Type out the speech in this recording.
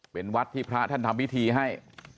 เป็นวัดที่พระท่านทำพิธีให้